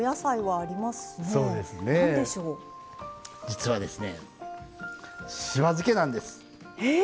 実はですねしば漬けなんです。え！